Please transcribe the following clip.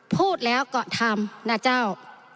พูดแล้วก็ทำนะเจ้า